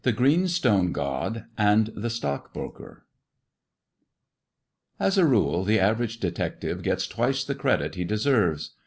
• GREEN STONE GOD AND THE STOCK BROKEE . rule, the average detective gets twice the credit he leserves.